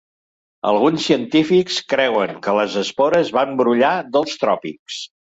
Alguns científics creuen que les espores van brollar dels tròpics.